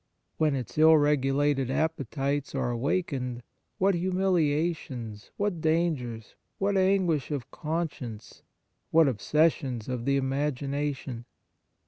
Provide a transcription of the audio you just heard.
When its ill regulated appe tites are awakened, what humilia tions, what dangers, what anguish of conscience, what obsessions of the imagination